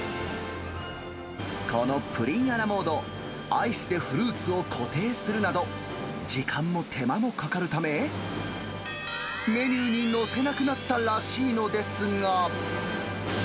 このプリンアラモード、アイスでフルーツを固定するなど、時間も手間もかかるため、メニューに載せなくなったらしいのですが。